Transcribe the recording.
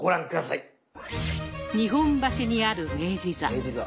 日本橋にある明治座。